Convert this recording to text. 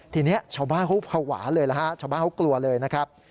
ทีนี้ชาวบ้านเขาก็เผาหวาเลยชาวบ้านเขาก็กลัวเลยนะครับ